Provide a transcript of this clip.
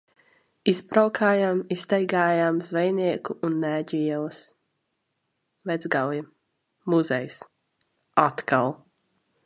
Izbraukājām, izstaigājām Zvejnieku un Nēģu ielas. Vecgauja. Muzejs. Atkal.